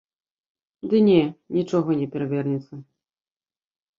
Ды не, нічога не перавернецца.